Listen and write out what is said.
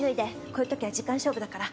こういうときは時間勝負だから。